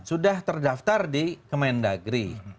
sudah terdaftar di kemendagri